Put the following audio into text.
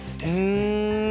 うん！